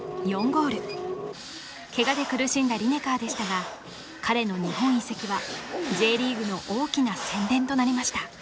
４ゴールケガで苦しんだリネカーでしたが彼の日本移籍はＪリーグの大きな宣伝となりました